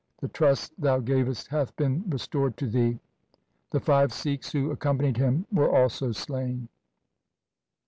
The trust Thou gavest hath been restored to Thee.' The five Sikhs who accompanied him were also slain.